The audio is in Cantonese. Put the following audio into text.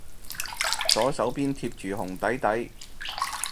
左手邊貼住紅底底